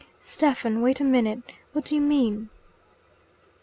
"Stephen, wait a minute. What do you mean?"